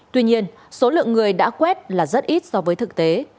tuy nhiên số lượng người đã quét là rất ít so với thực tế